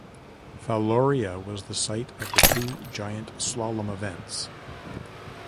Faloria was the site of the two giant slalom events.